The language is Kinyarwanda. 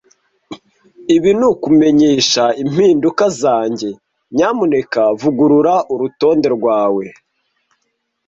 Ibi nukumenyesha impinduka zanjye. Nyamuneka vugurura urutonde rwawe.